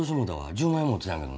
１０万円持ってたんやけどな。